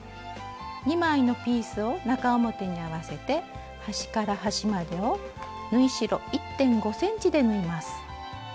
２枚のピースを中表に合わせて端から端までを縫い代１．５ｃｍで縫います。